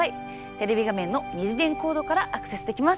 テレビ画面の二次元コードからアクセスできます。